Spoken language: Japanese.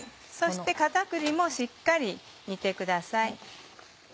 そして片栗粉もしっかり煮てください。